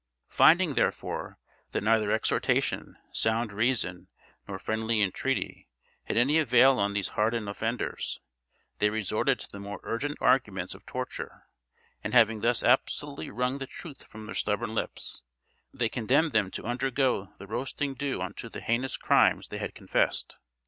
Finding, therefore, that neither exhortation, sound reason, nor friendly entreaty had any avail on these hardened offenders, they resorted to the more urgent arguments of torture; and having thus absolutely wrung the truth from their stubborn lips, they condemned them to undergo the roasting due unto the heinous crimes they had confessed.